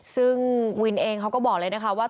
ซึ่งวินเองเขาก็บอกเลยนะคะว่า